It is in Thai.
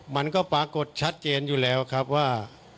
มันก็ปรากฏชัดเจนอยู่แล้วครับว่า